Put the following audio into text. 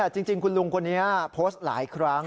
จริงคุณลุงคนนี้โพสต์หลายครั้ง